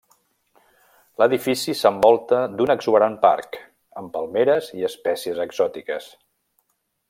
L'edifici s'envolta d'un exuberant parc, amb palmeres i espècies exòtiques.